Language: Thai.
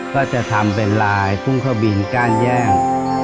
ก็จะทำเป็นลายพุ่งเข้าบินก้านแยก